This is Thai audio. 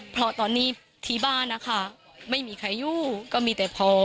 เพราะตอนนี้ที่บ้านนะคะไม่มีใครอยู่ก็มีแต่พอ